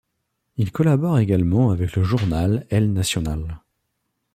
Il collabore également avec le journal El Nacional.